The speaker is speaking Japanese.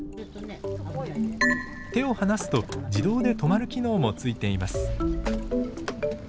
手を離すと自動で止まる機能もついています。